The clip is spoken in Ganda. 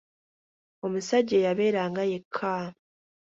Omusajja eyabeeranga yekka.